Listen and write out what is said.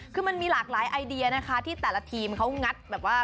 คือมันลากรายไอเดียนะคะที่แต่ละทีมเข้างัด